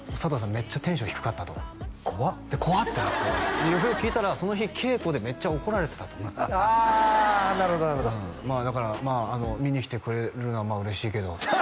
めっちゃテンション低かったと怖っで怖ってなってよくよく聞いたらその日稽古でめっちゃ怒られてたとあなるほどなるほどだから「見に来てくれるのはまあ嬉しいけど」